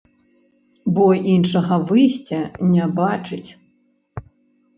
Бо іншага выйсця не бачыць.